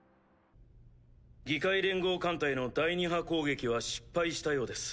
議会連合艦隊の第２波攻撃は失敗したようです。